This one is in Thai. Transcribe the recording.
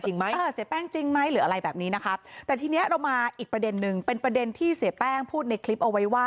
เสียแป้งจริงไหมหรืออะไรแบบนี้นะครับ